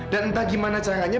dan entah gimana caranya